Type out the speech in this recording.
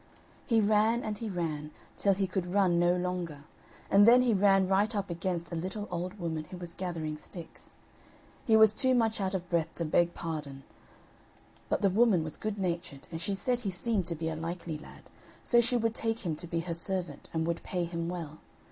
He ran, and he ran, till he could run no longer, and then he ran right up against a little old woman who was gathering sticks. He was too much out of breath to beg pardon, but the woman was good natured, and she said he seemed to be a likely lad, so she would take him to be her servant, and would pay him well.